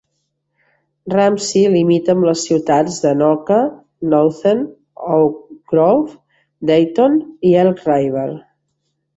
Ramsey limita amb les ciutats d'Anoka, Nowthen, Oak Grove, Dayton i Elk River.